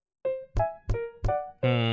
うん。